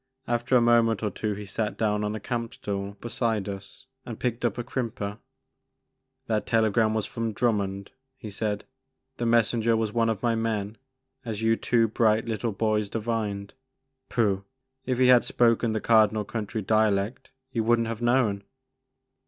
After a moment or two he sat down on a camp stool beside us and picked up a crimper. That telegram was from Drummond," he said ;•* the messenger was one of my men as you two bright little boys divined. Pooh ! If he had spoken the Cardinal County dialect you would n't have known."